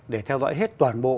để theo dõi hết toàn bộ